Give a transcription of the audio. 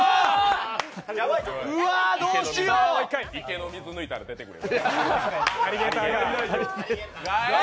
池の水抜いたら出てくる。